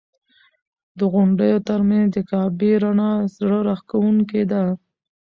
د غونډیو تر منځ د کعبې رڼا زړه راښکونکې ده.